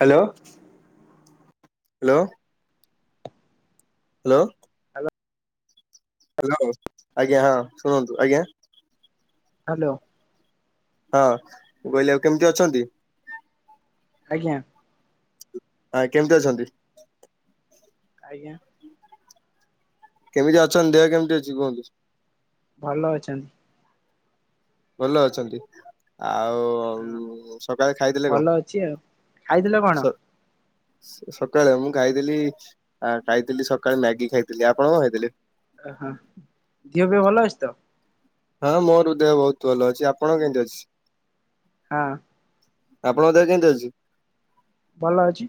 Hello hello. Hello. Hello. Hello ଆଜ୍ଞା ହଁ ଶୁଣନ୍ତୁ ଆଜ୍ଞା। ହ୍ୟାଲୋ। ହଁ ମୁ କହିଲି ଆଉ କେମିତି ଅଛନ୍ତି? ଆଜ୍ଞା। ଆଁ କେମିତି ଅଛନ୍ତି? ଆଜ୍ଞା। କେମିତି ଅଛନ୍ତି ଦେହ କେମିତି ଅଛି କୁହନ୍ତୁ? ଭଲ ଅଛନ୍ତି। ଭଲ ଅଛନ୍ତି ଆଉ ହଁ ହଉ ସକାଳେ ଖାଇଥିଲେ କଣ ଭଲ ଅଛି ଆଉ। ଖାଇଥିଲ କଣ ସ ସ ସକାଳେ ମୁଁ ଖାଇଥିଲି ଆ ଖାଇଥିଲି ସକାଳେ ମ୍ୟାଗି ଖାଇଥିଲି ଆପଣ କଣ ଖାଇଥିଲେ? ଅ ହ ଦେହ ଫେହ ଭଲ ଅଛି ତ? ହଁ ମୋ ହୃଦୟ ବହୁତ ଭଲ ଅଛି ଆପଣଙ୍କ କେମିତି ଅଛି? ହଁ। ଆପଣଙ୍କ ଦେହ କେମିତି ଅଛି? ଭଲ ଅଛି।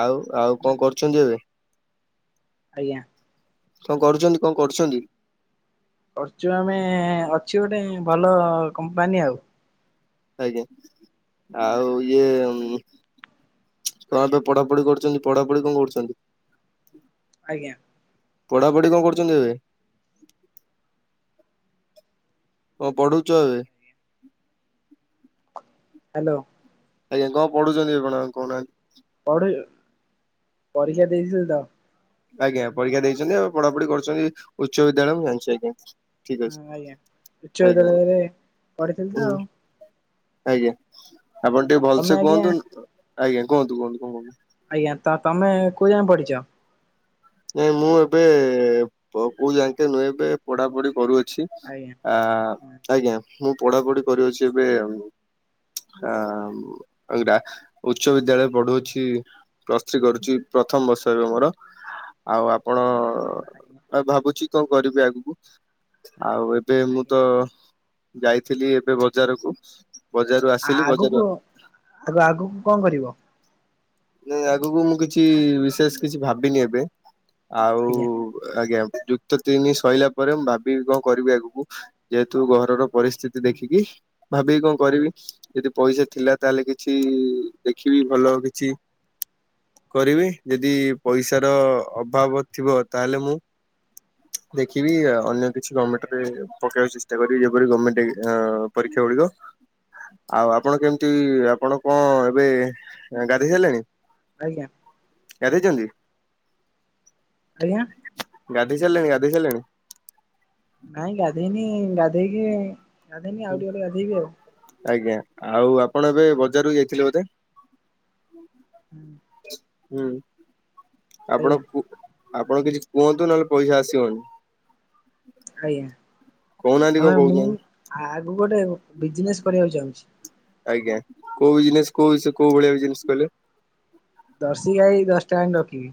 ଆଉ ଆଉ ହୁଁ କଣ କରୁଚନ୍ତି ଏବେ? ଆଜ୍ଞା। କଣ କରୁଚନ୍ତି କଣ କରୁଚନ୍ତି? କରୁଚୁ ଆମେ ଅଛି ଗୋଟେ ଭଲ କମ୍ପାନୀ ଆଉ। ଆଜ୍ଞା ଆଉ ଇଏ କଣ ଆଜ୍ଞା। ମ୍ ପାଇଁ ପଢ ପଢ଼ି କରୁଛନ୍ତି ପଢାପଢି କଣ କରୁଚନ୍ତି? ଆଜ୍ଞା। ପଢ଼ାପଢ଼ି କଣ କରୁଚନ୍ତି ଏବେ? କଣ ପଢୁଛ ଏବେ? ହ୍ୟାଲୋ। ଆଜ୍ଞା କଣ ପଢୁଚନ୍ତି ଆପଣ କହୁନାହାନ୍ତି? ପଢୁବି ପରୀକ୍ଷା ଦେଇଥିଲ ତ। ଆଜ୍ଞା ପରୀକ୍ଷା ଦେଇଛନ୍ତି ଆଉ ପଢାପଢି କରୁଛନ୍ତି ଉଚ୍ଚ ବିଦ୍ୟାଳୟ ମୁଁ ଜାଣିଛି ଆଜ୍ଞା। ଠିକ୍ ହଁ ଆଜ୍ଞା। ଉଚ୍ଚ ଅଛି ଆଜ୍ଞା ବିଦ୍ୟାଳୟରେ ପଢିଥିଲି ତ ହୁଁ। ଆଉ ଆଜ୍ଞା ଆପଣ ଟିକେ ତମେ ଭଲସେ ଆଜ୍ଞା କୁହନ୍ତୁ ନ ଆଜ୍ଞା କୁହନ୍ତୁ କୁହନ୍ତୁ କୁଣ କୁହନ୍ଛନ୍ତି। ଆଜ୍ଞା ତ ତମେ କୋଉ ଜାଣେ ପଢିଛ? ନାଇଁ ମୁଁ ଏବେ-ଏ-ଏ କୋଉ ଯାଇକେ ନୁହେଁ ଏବେ ପଢାପଢି କରୁଅଛି। ଆଜ୍ଞା ଆ-ଆ-ଆ-ଆ ଆଜ୍ଞା ମୁଁ ପଢାପଢି କରୁଅଛି ଏବେ ଆ-ଆ-ଆ-ମ୍ ଇଟା ଉଚ୍ଚ ବିଦ୍ୟାଳୟ ପଢୁଅଛି ପ୍ଲସ ଥ୍ରୀ କରୁଛି ପ୍ରଥମ ବର୍ଷ ଏବେ ମୋର। ଆଉ ଆଜ୍ଞା ଆପଣ-ଅ-ଅ-ଅ-ଅ ଭାବୁଛି କଣ କରିବି ଆଗକୁ ଆଉ ଏ ଏବେ ମୁଁ ତ ଆଜ୍ଞା ଯାଇଥିଲି ଏବେ ବଜାରକୁ। ବଜାରରୁ ଆସିଲି ଆ-ଆ-ଆ ବଜାରରୁ ଆଗକୁ ଆଗ ଆଗକୁ କଣ କରିବ? ନା ଆଗକୁ ମୁଁ କିଛି-ଇ-ଇ-ଇ ବିଶେଷ କିଛି ଭାବିନି ଏବେ। ଆଜ୍ଞା ଆଉ-ଉ-ଉ-ଉ ଆଜ୍ଞା ଯୁ କ୍ତ ତିନି ସରିଲା ପରେ ମୁଁ ଭାବିବି କଣ କରିବି ଆଗକୁ। ଯେହେତୁ ଘରର ପରିସ୍ଥିତି ଦେଖିକି ଭାବିକି କଣ ଆଜ୍ଞା କରିବି। ଯଦି ପଇସା ଥିଲା ତାହେଲେ କିଛି-ଇ-ଇ-ଇ ଦେଖିବି ଭଲ କିଛି କରିବି ଯଦି ପଇସାର ଅଭାବ ଥିବ ତାହେଲେ ମୁଁ ଦେଖିବି ଅନ୍ୟ କିଛି ଗମମେଣ୍ଟରେ ପକେଇ ଚେ ଷ୍ଟା କରିବି ଯେପରିକି ଗଭର୍ଣମେଣ୍ଟ ଏ-ଏ-ଏ ପରୀକ୍ଷା ଗୁଡିକ। ଆଉ ଆପଣ କେମିତି ଆପଣ କଣ ଏବେ ଗାଧେଇ ସାରିଲେଣି? ଆଜ୍ଞା। ଗାଧେଇଚନ୍ତି? ଆଜ୍ଞା? ଗାଧେଇ ସାରିଲେଣି ଗାଧେଇ ସାରିଲେଣି? ନାଇଁ ଗାଧେଇନି ଗାଧେଇକି ଗାଧେଇନି ଆଉ ଟିକେ ଗଲେ ଗାଧେଇବି ଆଉ। ଆଜ୍ଞା ଆଉ ଆପଣ ଏବେ ବଜାରକୁ ଯାଇଥିଲେ ବୋଧେ। ହୁଁ। ଆଜ୍ଞା ଆପଣ କୁ ଆପଣ କିଛି କୁହନ୍ତୁ ନହେଲେ ପଇସା ଆସିବନି। ଆଜ୍ଞା କହୁନାହାନ୍ତି କଣ ଆମେ ମୁଁ କହୁଛନ୍ତି ଆଗକୁ ଗୋଟେ ବିଜନେସ୍ କରିବାକୁ ଚାହୁଁଛି। ଆଜ୍ଞା କୋଉ ବିଜନେସ କୋଉ ବିଷ କୋଉ ଭଳିଆ ବିଜନେସ କହିଲେ? ଦର୍ଶିଗାଇ ଦଶଟା ଆଣି ରଖିବି।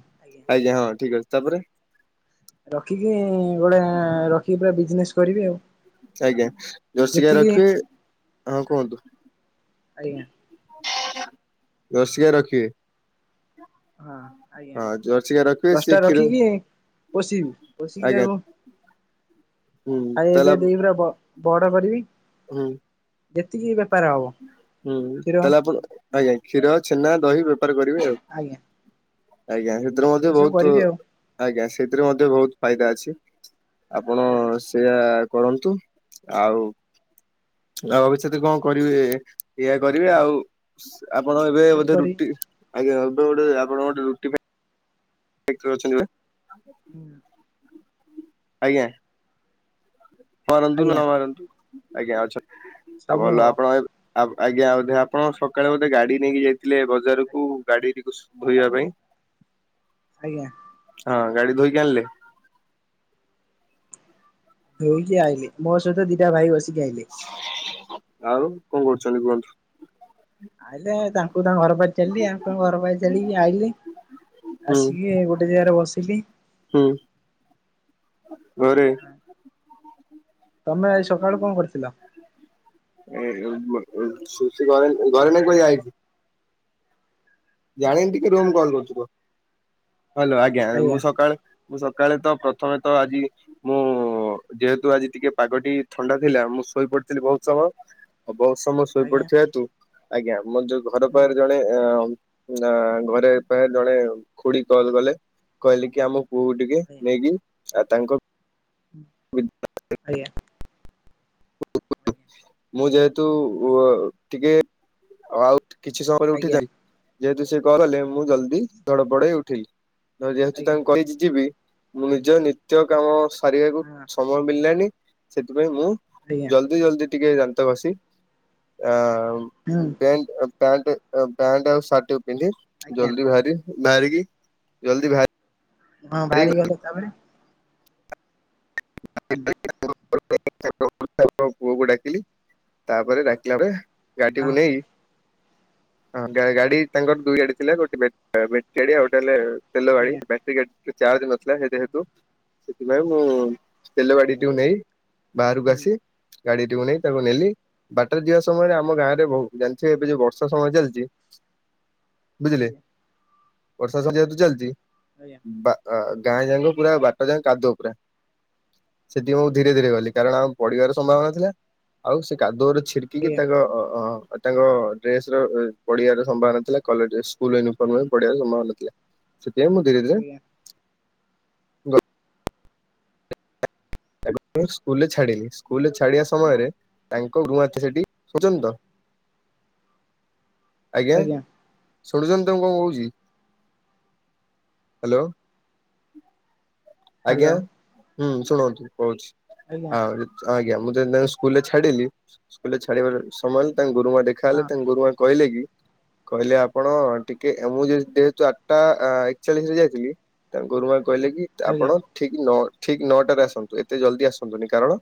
ଆଜ୍ଞା ହଁ ଠିକ ଅଛି। ତାପରେ, ରଖିକି-ଇ-ଇ-ଇ ଗୋଟେ ରଖି ପୁରା ବିଜନେସ କରିବି ଆଉ। ଆଜ୍ଞା ଜର୍ସି ଗାଈ ଯେତିକି ରଖିବେ ହଁ କୁହନ୍ତୁ। ଆଜ୍ଞା। ଜର୍ସିଗାଈ ରଖିବେ। ହଁ। ଆଜ୍ଞା ହଁ ଜର୍ସି ଗାଈ ରଖିବେ ସିଏ ଦଶଟା କ୍ଷୀର ରଖିକି ପୋଷିବି, ପୋଷିକି ଆଜ୍ଞା ତାକୁ ହୁଁ ଆଉ ତାହେଲେ ଏବେ ଦେଇ ପୁରା ବ ବଡ କରିବି। ହୁଁ। ଯେତିକି ବା ହୁଁ ତାହେଲେ ଆପଣ ଆଜ୍ଞା, କ୍ଷୀର ଛେନା, ଦହି, ବେପାର କରିବି ଆଉ। ଆଜ୍ଞା ଆଜ୍ଞା ସେଥିରୁ ମଧ୍ୟ ଏଇସବୁ ବହୁତୁ କରିବି ଆଉ ଆଜ୍ଞା ସେଥିରେ ମଧ୍ୟ ବହୁତ ଫାଇଦା ଅଛି। ଆଜ୍ଞା। ଆପଣ-ଅ-ଅ-ଅ ସେଇଆା କରନ୍ତୁ। ଆଉ ଆଉ ଏଇଷତ କଣ କରିବେ ଏଇଆ କରିବେ ହୁଁ। ଆଉ ସ ଆପଣ ଏବେ ଏଇ ସବୁ ବୋଧେ କରି ରୁଟି ଆଜ୍ଞା ଏବେ ଗୋଟେ ଆପଣ ଗୋଟେ ରୁଟି ଫ୍ୟା କ୍ଟ୍ରି ରେ ଅଛନ୍ତି ବା? [unintelligible] ଆଜ୍ଞା। ମରନ୍ତୁ ନ ଆଜ୍ଞା ମରନ୍ତୁ ଆଜ୍ଞା ଅଛ ଆଉ ସବୁ ଭଲ ହବ ଆପଣ ଆଉ ଆଜ୍ଞା ବୋଧେ ଆପଣ ସକାଳେ ବୋଧେ ଗାଡି ନେଇକି ଯାଇଥିଲେ ବଜାରକୁ ଗାଡି ରି ଧୋଇବା ପାଇଁ ଆଜ୍ଞା। ହଁ, ଗାଡି ଧୋଇକି ଆଣିଲେ? ଧୋଇକି ଆଇଲି ମୋ ସହିତ ଦିଟା ଭାଇ ବସିକି ଆଇିଲେ। ଆଉ କଣ କରୁଛନ୍ତି କୁହନ୍ତୁ? ଆଇଲେ ତାଙ୍କୁ ତାଙ୍କ ଘର ପାଖରେ ଛାଡିଲି, ଆଙ୍କୁ ଆଙ୍କ ଘର ପାଖରେ ଛାଡିକି ଆଇଲି। ହୁଁ ଆସିକି ଗୋଟେ ଜାଗାରେ ବସିଲି। ହୁଁ। ଘରେ। ତମେ ଆଜି ସକାଳୁ କଣ କରିଥିଲ? ଏ ସୁ ଘରେ ଘରେ ନାଁ କହି ଯାଇଛି [unintelligible] ଜାଣିନି ଟିକେ ରୁହ ମୁଁ କଲ କରୁଛି ରୁହ। ହ୍ୟାଲୋ ଆଜ୍ଞା ମୁଁ ସକାଳେ ମୁଁ ସକାଳେ ତ ପ୍ରଥମେ ତ ଆଜି ମୁଁ- ଯେହେତୁ ଆଜି ଟିକେ ପାଗଟି ଥଣ୍ଡା ଥିଲା, ମୁଁ ଶୋଇ ପଡିଥିଲି ବହୁତ ସମୟ। ବହୁତ ସମୟ ଆଜ୍ଞା ଶୋଇପଡିିଥିବା ହେତୁ ଆଜ୍ଞା ମୋ ଯୋଉ ଘର ହୁଁ ପାଖରେ ଜଣେ ଅ ନା ଘରେ ପା ଜଣେ ଖୁଡି କଲ କଲେ କହିଲେ କି ଆମ ପୁଅକୁ ଟିକେ ନେଇକି ଆଉ ତାଙ୍କ ହୁଁ। [unintelligible] ଆଜ୍ଞା। ମୁଁ ଯେହେତୁ-ଉ-ଉ-ଓ ଟିକେ ଆଉ କିଛି ସମୟରେ ଆଜ୍ଞା ଉଠିଥାନ୍ତି। ଯେହେତୁ ସେ କରଲେ ମୁଁ ଜଲ୍ଦି ଧଡ଼ପଡ଼ ହେଇ ଉଠିଲି। ଅ ଯେହେତୁ ଆଜ୍ଞା ତାଙ୍କୁ କହିଚି ଯିବି ମୁଁ ନିଜ ନିତ୍ୟ କାମ ସାରିବାକୁ ହଁ ସମୟ ମିଳିଲାନି ସେଥିପାଇଁ ମୁଁ ଆଜ୍ଞା ଜଲଦି ଜଲଦି ଟିକେ ଦାନ୍ତ ଘସି ଆ-ଆ-ଆ ହୁଁ ପ୍ୟା ପ୍ୟାଣ୍ଟ ପ୍ୟାଣ୍ଟ ଆଉ ସାର୍ଟ ଟିକୁ ପିନ୍ଧି ଆଜ୍ଞା ଜଲଦି ବାହାରି ବାହାରିକି ଜଲଦି ବା ହଁ ବାହାରି ଗଲେ ତାପରେ ହୁଁ [unintelligible] ପୁଅକୁ ଡାକିଲି ତାପରେ ଡାକିଲା ପରେ ଗାଡିଟିକୁ ନେଇ ହଁ ଗାଡି ତାଙ୍କର ଦୁଇ ଗାଡି ଥିଲା, ଗୋଟେ ବ୍ୟାଟ ବ୍ୟାଟେରୀ ଗାଡି ଆଉ ଗୋଟେ ହେଲା ତେଲ ଗାଡି। ଆଜ୍ଞା ସେଇ ଗାଡୀଟିରେ ଚାର୍ଜ ନଥିଲା ଯେହେତୁ, ସେଥିପାଇଁ ମୁଁ ତେଲ ଗାଡିଟିକୁ ନେଇ ବାହାରକୁ ହୁଁ ଆସି ଗାଡ଼ିଟିକୁ ନେଇ ତାକୁ ନେଲି ବାଟରେ ଯିବା ସମୟରେ ଆମ ଗାଁରେ ବହୁ ଜାଣିଥିବେ ଏବେ ଯୋଉଁ ବର୍ଷା ସମୟ ଚାଲିଛି ବୁଝିଲେ ଆଜ୍ଞା ବର୍ଷା [unintelligible] ଯେହେତୁ ଚାଲଚି ଅଜ୍ଞା। ବା ଗାଁ ଯାକ ପୁରା ବାଟ ଯାକ କାଦୁଅ ପୁରା ସେଥି ଧୀରେ-ଧୀରେ ଗଲି କାରଣ ଆମ ପଡିବାର ସମ୍ଭାବନା ଥିଲା ଆଉ ସେ କାଦୁଅରେ ଛିଡିକିକି ଆଜ୍ଞା ତାଙ୍କ ତାଙ୍କ ଡ୍ରେସର ପଡିବାର ସମ୍ଭାବନା ଥିଲା କଲର ଡ୍ରେସ୍ ସ୍କୁଲ ୟୁନିଫର୍ମ ପଡିବାର ସମ୍ଭାବନା ଥିଲା। ସେଥିପାଇଁ ମୁଁ ଧିରେ-ଧିରେ ଆଜ୍ଞା ତାକୁ ମୁଁ ସ୍କୁଲରେ ଛାଡିଲି, ସ୍କୁଲରେ ଛାଡିବା ସମୟରେ ତାଙ୍କ [unintelligible] ସେଠି ଶୁଣୁଚନ୍ତି ତ? ଆଜ୍ଞା ଶୁଣୁଚନ୍ତି ତ ମୁଁ କଣ କହୁଚି, ହ୍ୟାଲୋ। ଆଜ୍ଞା ହ୍ୟାଲୋ ହୁଁ ଶୁଣନ୍ତୁ କହୁଛି ଆଜ୍ଞା ଆଉ। ହଁ ଆଜ୍ଞା ମୁଁ ଯେନ୍ତି ତାଙ୍କୁ ସ୍କୁଲ ଛାଡିଲି ସ୍କୁଲରେ ଛାଡିବାର ସମୟରେ ତାଙ୍କ ଗୁରୁମା ଦେଖା ହଁ ହେଲେ ତାଙ୍କ ଗୁରୁମା କହିଲେ କି କହିଲେ ଆପଣ ଟିକେ ମୁଁ ଯେହେତୁ-ଯେହେତୁ ଆଠଟା ଏକଚାଳିଶ ରେ ଯାଇଥିଲି ତାଙ୍କ ଗୁରୁମା କହିଲେ କି ଆଜ୍ଞା ଆପଣ ଠିକ୍ ଠିକ୍ ନଅଟାରେ ଆସନ୍ତୁ ଏତେ ଜଲଦି ଆସନ୍ତୁନି କାରଣ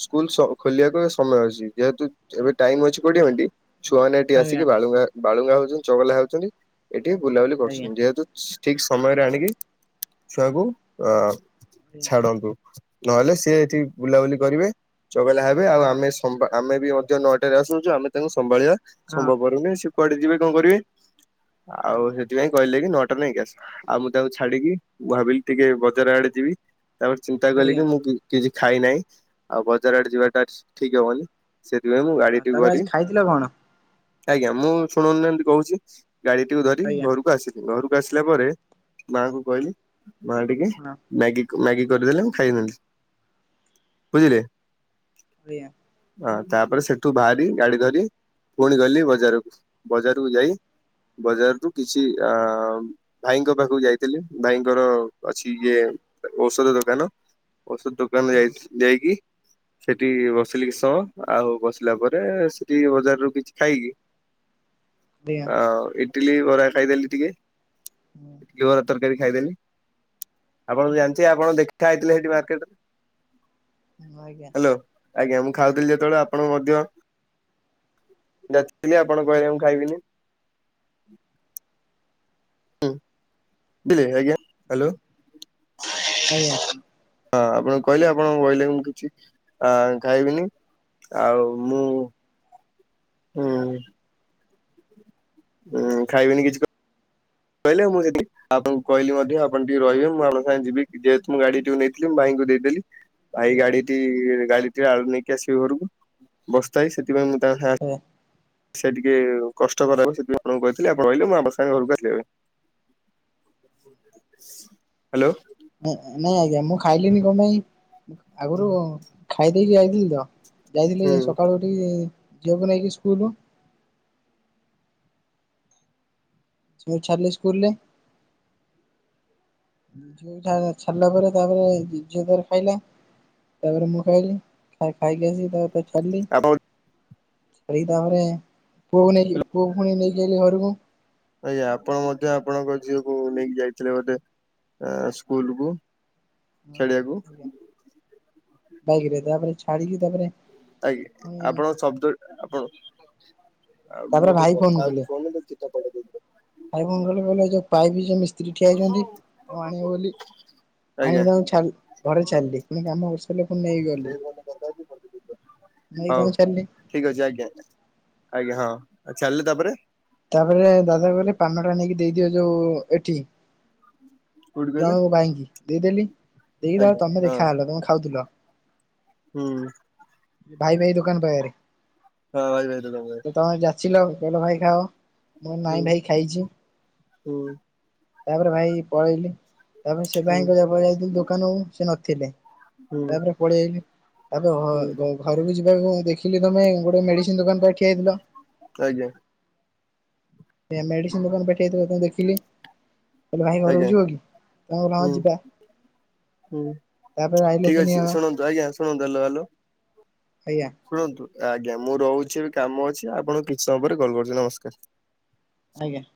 ସ୍କୁଲ୍ ସବୁ ଖୋଲିବାକୁ ଏବେ ସମୟ ଅଛି ଯେହେତୁ ଏବେ ଟାଇମ୍ ଅଛି କୋଡିଏ ମିନିଟ୍। ଛୁଆମାନେ ଏଠି ଆଜ୍ଞା ଆସିକି ବାଳୁଙ୍ଗା-ବାଳୁଙ୍ଗା ହେଉଛନ୍ତି ଚଗଲା ହେଉଛନ୍ତି ଏଠି ବୁଲାବୁଲି ଆଜ୍ଞା କରୁଛନ୍ତି ଯେହେତୁ ଠିକ୍ ସମୟରେ ଆଣିକି ଛୁଆକୁ ଅ ଆଜ୍ଞା ହଁ ଛାଡ଼ନ୍ତୁ। ନହେଲେ ସିଏ ଏଠି ବୁଲାବୁଲି କରିବେ ଚଗଲା ହେବେ ଆଉ ଆମେ ସମ୍ ଆମେ ବି ମଧ୍ୟ ନଅଟାରେ ଆସୁଛୁ ଆମେ ତାଙ୍କୁ ସମ୍ଭାଳିବା ହଁ ସମ୍ଭବପର ନୁହେଁ, ସେ କୁଆଡେ ଯିବେ କଣ କରିବେ। ହଁ ଆଉ ସେ ଥିପାଇଁ କହିଲେ କି ନଅଟାରେ ନେଇକି ଆସ, ଆଉ ମୁଁ ତାଙ୍କୁ ଛାଡିକି ମୁଁ ଭାବିଲି ଟିକେ ବଜାର ଆଡେ ଯିବି। ତାପରେ ଚିନ୍ତାକଲି ଆଜ୍ଞା କିି ମୁଁ କିଛି ଖାଇନାହିଁ ଆଉ ବଜାର ଆଡେ ଯିବାଟା ଠିକ୍ ହବନି। ସେଥିପାଇଁ ମୁଁ ହଁ ଗାଡି ଟିକୁ ତାପରେ ଧରି ଆଜି ଖାଇଥିଲ କଣ? ଆଜ୍ଞା ମୁଁ ଶୁଣନ୍ତୁ ଯେମିତି କହୁଛି ଗାଡିଟିକୁ ଧରି ଆଜ୍ଞା ଘରକୁ ଆସିଲି। ଘରକୁ ଆସିଲା ପରେ ମାଙ୍କୁ କହିଲି ମା ଟିକେ ହଁ ଆଜ୍ଞା ମ୍ୟାଗି-ମ୍ୟାଗି କରିଦେଲେ ମୁଁ ଖାଇନେଲି ବୁଝିଲେ। ଆଜ୍ଞା। ହଁ ତାପରେ ସେଠୁ ବାହାରି ଗାଡି ଧରି ପୁଣି ଗଲି ବଜାରକୁ। ବଜାରକୁ ଯାଇ ବଜାର ରୁ କିଛି ଅ ଭାଇଙ୍କ ପାଖକୁ ଯାଇଥିଲି ଭାଇଙ୍କର ଅଛି ଇଏ ଔଷଧ ଦୋକାନ ଔଷଧ ଦୋକାନ ଯାଇ ଯାଇକି ସେଠି ବସିଲି କିଛି ସମୟ ଆଉ ବସିଲା ପରେ ସେଠି ବଜାରରୁ କିଛି ଖାଇକି ଆଜ୍ଞା ଆଉ ଇଟିଲି ବରା ଖାଇଦେଲି ଟିକେ, ଇଟିଲି ବରା ତରକାରୀ ଖାଇଦେଲି। ଆପଣ ତ ଜାଣିଥିବେ ଆପଣ ଦେଖା ହେଇଥିଲେ ସେଠି ମାର୍କେଟରେ ଆଜ୍ଞା ଆଜ୍ଞା ହାଲୋ। ଆଜ୍ଞା ମୁଁ ଖାଉଥିଲି ଯେତେବେଳେ ଆପଣ ମଧ୍ୟ ଯାଚିଥିଲି ଆପଣ କହିଲେ ମୁଁ ଖାଇବିନି। ହୁଁ [unintelligible] ଅଜ୍ଞା ହାଲୋ। ହଁ ଆପଣ କହିଲେ ଆପଣ କହିଲେ ମୁଁ କିଛି ଅ ଖାଇବିନି। ଆଉ ମୁଁ ହୁଁ। ହୁଁ ଖାଇବିନି କିଛି କ କହିଲେ ମୁଁ [unintelligible] ଆପଣଙ୍କୁ କହିଲି ମଧ୍ୟ ଆପଣ ଟିକେ ରହିବେ ମୁଁ ଆପଣଙ୍କ ସାଙ୍ଗେ ଯିବି ଯେହେତୁ ମୁଁ ଗାଡି ଟିକକୁ ନେଇଥିଲିଁ ଭାଇଙ୍କୁ ଦେଇଦେଲି। ଭାଇ ଗାଡିଟି ଗାଡିଟିରେ ଆଳୁ ନେଇକି ଆସିବ ଘରକୁ ବସ୍ତାଏ ସେଥିପାଇଁ ମୁଁ ତା ହୁଁ। ସେ ଟିକେ କଷ୍ଟ କର ହେବ ସେଥି ଆଣଙ୍କୁ କହିଥିଲ ଆପଣ ରହିଲେ ମୁ ଆମ ସାଙ୍ଗେ ଘରକୁ ଆସିଲେ ପାଇଁ। ହ୍ୟାଲୋ। ନାଇଁ ଆଜ୍ଞା ମୁଁ ଖାଇଲିଣିି କଣ ପାଇଁ, ଆଗରୁ ଖାଇ ଦେଇେଇକି ଯାଇଥିଲି ତ ଯାଇଥିଲି ହୁଁ ସକାଳୁ ଇ ଝିଅ କୁ ନେଇାଇକି ସ୍କୁଲୁ। ସେ ଉ ଛାରଲେ ସ୍କୁଲ ରେ ଆ ଝିଅ କୁ ଛାଡ଼ିଲା ପରେ ତାପରେ ଝିଅ ତାର ଖାଇଲା। ତାପରେ ମୁଁ ଖାଇଲି ଖାଇ ଖାଇକି ଆସି ତା ଛାଡ଼ିଲି ଆପଣ ଛେରିକି ତାପରେ ପୁଅକୁ ନେଇକ ପୁଅ ପୁଣି ନେଇକି ଆଲି ଘରକୁ। ଆଜ୍ଞା ଆପଣ ମଧ୍ୟ ଆପଣଙ୍କ ଝିଅକୁ ନେଇକି ଯାଇଥିଲେ ବୋଧେ। ସ୍କୁଲକୁୁ। ହଁ ଆଞା ବାଇକି ରେ ତାପରେ ଛାଡିକି ତାପରେ ଆଜ୍ଞା ପୁଣି ଆପଣ ଙ୍କ ଶବ୍ଦ ଆପଣ ଆଉ ତାପରେ ମୁଁ ଟିକେ ଭାଇ ଫୋନ କଥା ହଉଛି କଲେ ଫୋନରେ କିଠ ପଢେଇ ଦେଇ ଭାଇ ମ କଣ କହିଲି କହିଲ ଯଉ ପାଇବ ଜ ମି ସ୍ତ୍ରୀ ଠିଆ ହେଛନ୍ତି ତାଙ୍କୁ ଆଣିବ ବୋଲି ଆଜ୍ଞା। ଆଣିକି ତାଙ୍କୁ ଘରେ ଚାଲିଲି ପୁଣି କାମ କର ହେଲେ ପୁଣି ନେଇ ଗଲି ସେଇ ଫୋନରେ କଥା ହଉଛି ପଠେଇ ଦେଇଥିବ। ନେଇକି ହଉ ତାଙ୍କୁଁ ଛାଡିଲି। ଠିକ ଅଛି ଆଜ୍ଞା ଆଜ୍ଞା ହଁ ଅ ଚଡ଼ିଲେ ତାପରେ ତାପରେ ଦାଦା କହିଲେ ପାନ ଟା ନେଇକି ଦେଇଦିଅ ଯୋଉ ଏଠି କୋଉଠି କହିଲେ ଜଣକୁ ଭାଇକି ଦେଇଦେଲି। ଦେଇକି ତ ଆଜ୍ଞା ତମେ ହଁ। ଦେଖା ହେଲ ତମେ ଖାଉଥିଲ ହୁଁ ଭାଇ ଭାଇ ଦୋକାନ ପାଖରେ ହଁ [unintelligible] ଭାଇ ଦୋକାନ [unintelligible] ତ ତମେ ଯାଚିଲ କହିଲ ଭାଇ ଖାଅ ମୁଁ ହୁଁ ନାଇଁ ଭାଇ ଖାଇଛି। ହୁଁ ତାପରେ ଭାଇ ପଳେଇଲି। ତାପରେ ସେ ହୁଁ ଭାଇଙ୍କ ଯପ ଯାଇଥିଲ ଦୋକାନ ସେ ନଥିଲେ ହୁଁ ତାପରେ ପଳେଇ ଆଇଲି। ତା ହୁଁ ପ ଘରକୁ ଯିବାକୁ ଦେଖିଲି ତମେ ଗୋଟେ ମେଡିସିନ ଦୋକାନ ପାଖରେ ଠିଆ ହେଇଥିଲ। ଆଜ୍ଞା। ମେଡିସିନ ଦୋକାନ ପାଖେ ଠିଆ ହେଇଥିବା ଦେଖିଲି। ଦେଖିଲି କଲେ ଭାଇ ଆଜ୍ଞା ଘରକୁ ଯିବ କି ତମ କହିଲ ହୁଁ ହଁ ଯିବା। ହୁଁ ତାପରେ ଆଇଲେ ଠିକ ତିନି ଅଛି ଜଣ ଶୁଣନ୍ତୁ ଆଜ୍ଞା ଶୁଣନ୍ତୁ ହେଲ ହେଲୋ। ଆଜ୍ଞା ଶୁଣନ୍ତୁ ଆଜ୍ଞା ମୁଁ ରହୁଛି ଏବେ କାମ ଅଛି ଆପଣଙ୍କୁ କିଛି ସମୟ ପରେ କଲ୍ କରୁଛି ନମସ୍କାର। ଆଜ୍ଞା